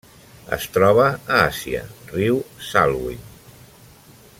Es troba a Àsia: riu Salween.